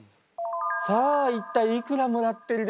さあ一体いくらもらってるでしょう？